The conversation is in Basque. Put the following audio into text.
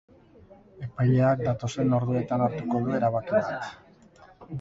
Epaileak datozen orduetan hartuko du erabaki bat.